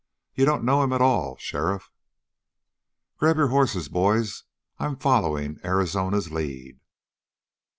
"You don't know him at all, sheriff." "Grab your hosses, boys. I'm following Arizona's lead."